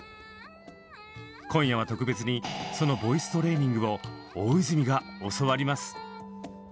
今夜は特別にそのボイストレーニングを大泉が教わります！